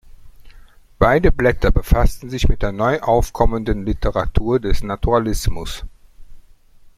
Beide Blätter befassten sich mit der neu aufkommenden Literatur des Naturalismus.